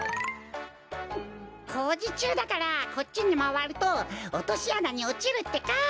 こうじちゅうだからこっちにまわるとおとしあなにおちるってか。